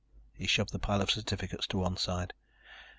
He shoved the pile of certificates to one side.